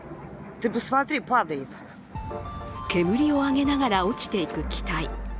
煙を上げながら落ちていく機体。